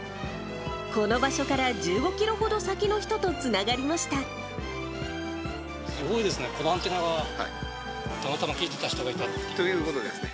この場所から１５キロほど先すごいですね、このアンテナがたまたま聞いていた人がいた？ということですね。